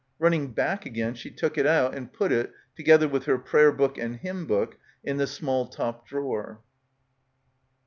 Running back again she took it out and put it, together with her prayer book and hymn book, in the small top drawer.